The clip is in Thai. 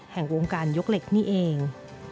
แห่งวงการยกเหล็กนี่เอง